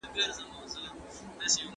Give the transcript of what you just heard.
زه اجازه لرم چي ښوونځی ته ولاړ سم؟!